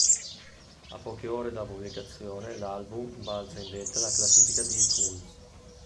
A poche ore dalla pubblicazione l'album balza in vetta alla classifica di iTunes.